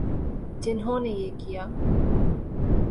جنہوں نے یہ کیا۔